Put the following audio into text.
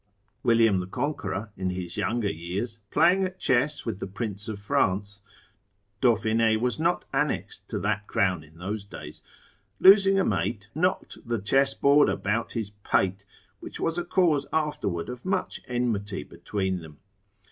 William the Conqueror, in his younger years, playing at chess with the Prince of France (Dauphine was not annexed to that crown in those days) losing a mate, knocked the chess board about his pate, which was a cause afterward of much enmity between them.